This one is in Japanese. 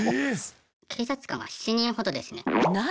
警察官が７人ほどですね。